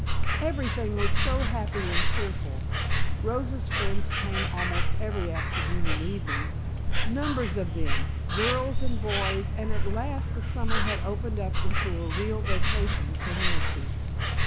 Everything was so happy and cheerful; Rosa's friends came almost every afternoon and evening, numbers of them, girls and boys, and at last the summer had opened up into a real vacation for Nancy.